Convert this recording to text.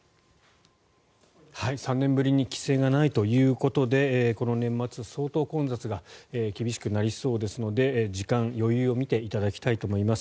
３年ぶりに規制がないということでこの年末、相当混雑が厳しくなりそうですので時間に余裕を見ていただきたいと思います。